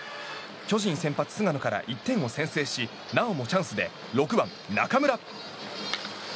巨人先発、菅野から１点を先制しなおもチャンスで６番、中村。